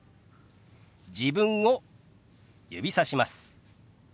自分を指さします。